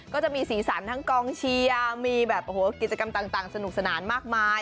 ก็จะมีสีสันทั้งกองเชียร์มีแบบกิจกรรมต่างสนุกสนานมากมาย